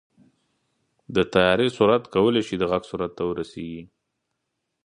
د طیارې سرعت کولی شي د غږ سرعت ته ورسېږي.